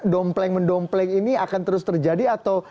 dompleng mendompleng ini akan terus terjadi atau